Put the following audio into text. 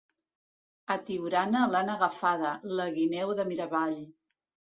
A Tiurana l'han agafada, la guineu de Miravall.